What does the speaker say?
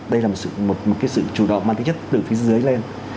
đây là một sự chủ động mang tính nhất từ phía dưới lên